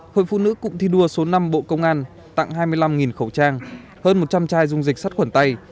hội phụ nữ cụng thi đua số năm bộ công an tặng hai mươi năm khẩu trang hơn một trăm linh chai dung dịch sát khuẩn tay